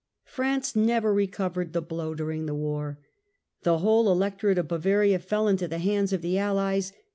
France never recovered the blow during the war. The whole electorate of Bavaria fell into the hands of the Allies.